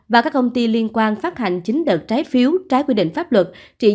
và các công ty liên quan phát hành chín đợt trái phiếu trái quy định pháp luật